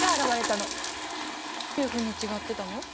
どういうふうに違ってたの？